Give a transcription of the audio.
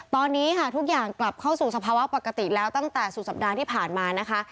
ตอนนี้ค่ะทุกอย่างกลับเข้าสู่สภาวะปกติแล้วตั้งแต่สุดสัปดาห์ที่ผ่านมานะคะ